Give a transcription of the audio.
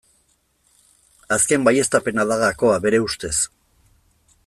Azken baieztapena da gakoa bere ustez.